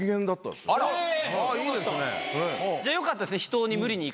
じゃあよかったですね。